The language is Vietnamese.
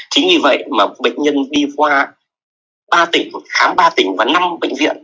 chính vì vậy mà bệnh nhân đi qua ba tỉnh khám ba tỉnh và năm bệnh viện